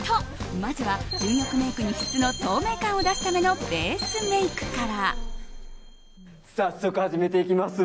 まずは純欲メイクに必須の透明感を出すためのベースメイクから。